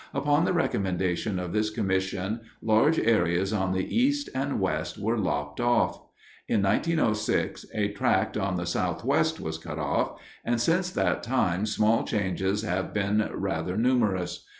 Upon the recommendation of this commission large areas on the east and west were lopped off. In 1906 a tract on the southwest was cut off, and since that time small changes have been rather numerous.